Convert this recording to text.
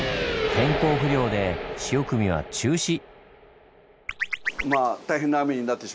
天候不良で潮汲みは中止！